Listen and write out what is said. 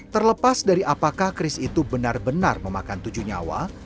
terlepas dari apakah keris itu benar benar memakan tujuh nyawa